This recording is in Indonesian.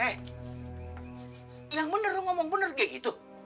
eh yang bener lo ngomong bener kayak gitu